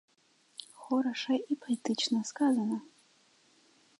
Хораша і паэтычна сказана!